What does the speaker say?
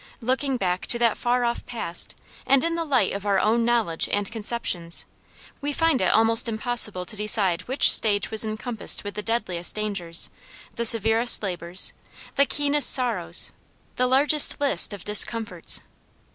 Looking back to that far off past, and in the light of our own knowledge and conceptions, we find it almost impossible to decide which stage was encompassed with the deadliest dangers, the severest labors, the keenest sorrows, the largest list of discomforts.